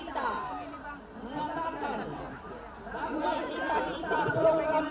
hidup kekampingan secara damai